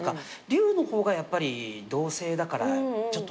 リュウの方がやっぱり同性だから。